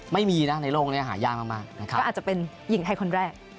ไม่มีนะในโลกนี้หายากมากนะครับก็อาจจะเป็นหญิงไทยคนแรก